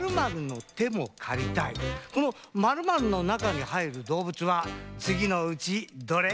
この○○のなかにはいるどうぶつはつぎのうちどれ？